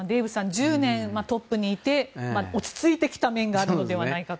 １０年、トップにいて落ち着いてきた面があるのではと。